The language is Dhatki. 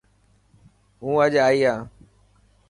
هون اڄ ائي هان.